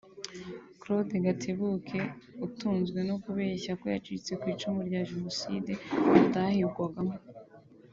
Claude Gatebuke (utunzwe no kubeshya ko yacitse ku icumu rya Jenoside atahigwagamo)